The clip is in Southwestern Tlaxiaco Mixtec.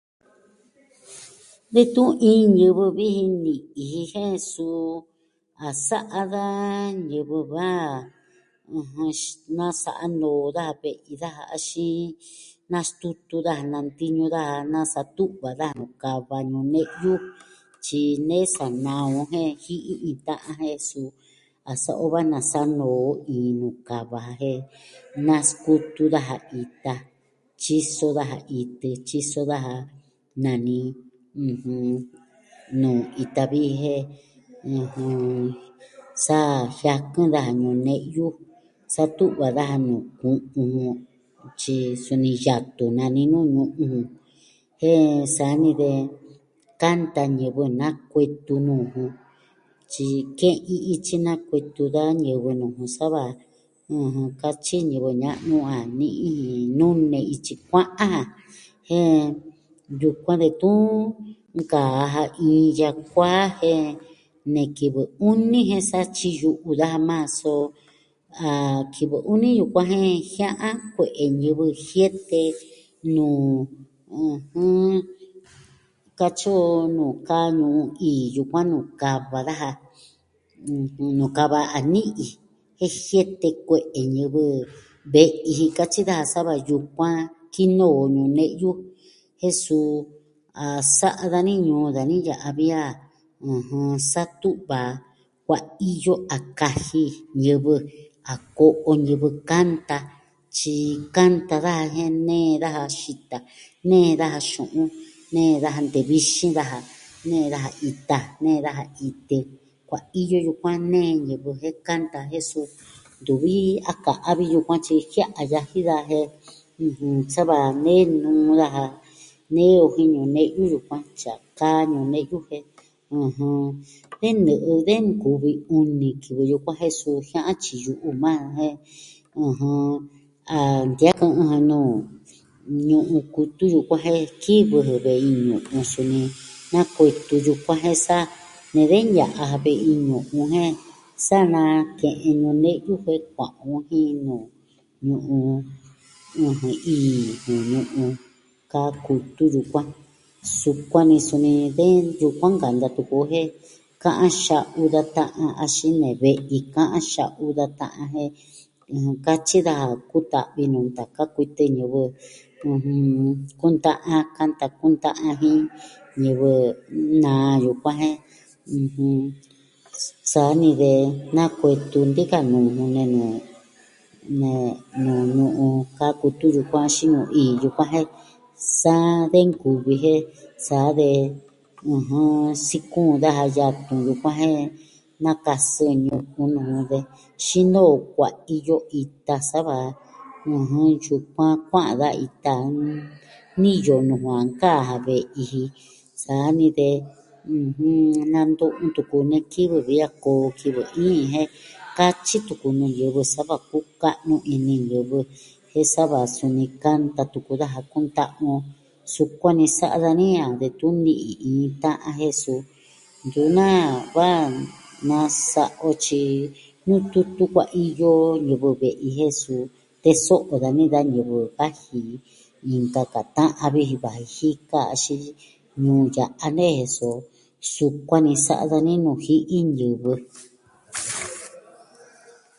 Detun iin ñivɨ vi ji ni'i jin jen, suu a sa'a daja ñivɨ va, ɨjɨn, nasa'a no'o daja ve'i daja axin nastutu daja, nantiñu daja, nasatu'va daja, nuu kava ñu'un ne'yu. Tyi ne sanaa on jen ji'i ji ta'an jan, jen suu a sa'a o va nasa noo ii nuu kava ja jen naskutu daja ita. Tyiso daja itɨ, tyiso daja nani, ɨjɨn, nuu ita vi jen. ɨjɨn, sa jiakɨn daja ñu'un ne'yu. Satu'va daja nuu ku'un jun. Tyi suni yatun nani nuu ñu'un jun. Jen sani de, kanta ñivɨ nakuetu nuu jun. Tyiyi ke'in iin ityi nakuetu da ñivɨ nuu jun sa va, ɨjɨn, katyi ñivɨ ña'nu a ni'i jin nuu nee ityi kua'an, jen yukuan detun iin kaa ja iñɨ yakuaa ne kivɨ uni jen satyi yu'u daja maa so, a kivɨ uni yukuan jen jia'an kue'e ñivɨ jiete nuu ɨjɨn, katyi o nuu kaa ñu'un, iyo yukuan nuu kava daja. Nuu kava a ni'i. Jen jiete kue'e ñivɨ ve'i ji. Katyi daja sava yukuan kinoo ñu'un ne'yu. Jen suu, a sa'a dani ñuu dani ya'a vi a, ɨjɨn, Sa tu'va kuaiyo a kaji ñivɨ. A ko'o ñivɨ kanta, tyi kanta daja jen nee daja xita. Nee daja xu'un. Nee daja nute vixin daja. Nee daja ita, nee daja itɨ. Kuaiyo yukuan nee ñivɨ jen kanta, jen suu, ntuvi a ka a vi yukuan tyi jia'a yaji daja. Jen, ɨjɨn, sa va nee nuu daja, nee o jin ñu'un ne'yu yukuan tyi a kaa ñu'un ne'yu jen, ɨjɨn, de nɨ'ɨ, de nkuvi uni kivɨ yukuan jen suu jia'an tyi yu'u majan jen, ɨjɨn, a ntiakɨ'ɨ jɨ nuu ñu'un kutu yukuan jen kivɨ jɨ ve'i ñu'un, suni ñakuetu yukuan jen sa ne ve'i ña'an jan ve'i nu'u jen, sa nake'en ñu'un ne'yu kuee kua'an on jin nuu ñu'un ii nuu nu'u kaa kutu yukuan. Sukuan ni suni de yukuan nkanta tuku jen ka'an jan xa'u da ta'an axin nee ve'i, ka'an xa'u da ta'an jen, katyi daja kuta'vi nuu ntaka kuitɨ ñivɨ, ɨjɨn, kunta'an kanta, kunta'an jin ñivɨ naa yukuan jen, ɨjɨn, sani de nakuetu nti'in ka nuu jun nee nuu, nee nuu nu'u kaku tun yukuan xi nuu ii yukuan jen, sa de nkuvi jen, sa de, ɨjɨn, sikuun daja yatun yukuan jen, nakasɨ ñu'un nuu ve, xinoo kuaiyo ita sa va tyukuan kua'an da ita niyo nuu va nkaja ve'i ji. Sani de, ɨjɨn, nantu'un tuku nikivɨ vi a koo kivɨ ii jen katyi tuku nuu ñivɨ sa va kuka'nu ini ñivɨ jen sa va suni kanta tuku daja kunta'an on. Sukuan ni sa'a dani a detun ni'i iin ta'an jen su ntu naa va nasa o tyi nututu kuaiyo ñivɨ ve'i jen su teso'o dani da ñivɨ vaji inka ka ta'an vi ji vaji jika axin ñuu ya'a nee, so sukuan ni sa'a dani nuu ji'i ñivɨ.